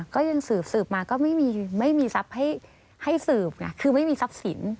ก็ยังสืบมาก็ไม่มีทรัพย์ให้สืบไงคือไม่มีทรัพย์สิน